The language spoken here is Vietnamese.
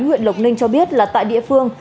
huyện lộc ninh cho biết là tại địa phương